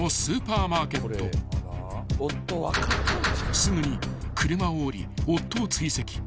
［すぐに車を降り夫を追跡］